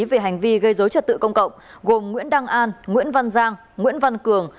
về hành vi gây dối trật tự công cộng gồm nguyễn đăng an nguyễn văn giang nguyễn văn cường